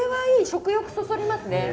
食欲そそりますね。